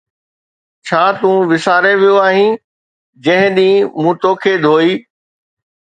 ڇا تون وساري ويو آھين جنھن ڏينھن مون توکي ڌوئي؟